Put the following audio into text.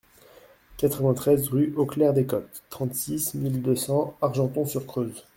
quatre-vingt-treize rue Auclert-Descôttes, trente-six mille deux cents Argenton-sur-Creuse